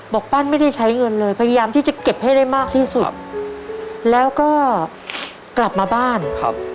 ปั้นไม่ได้ใช้เงินเลยพยายามที่จะเก็บให้ได้มากที่สุดแล้วก็กลับมาบ้านครับ